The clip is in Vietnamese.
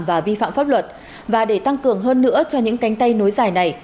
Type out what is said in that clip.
và vi phạm pháp luật và để tăng cường hơn nữa cho những cánh tay nối dài này